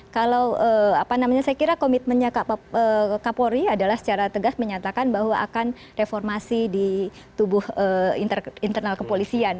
kalau apa namanya saya kira komitmennya kapolri adalah secara tegas menyatakan bahwa akan reformasi di tubuh internal kepolisian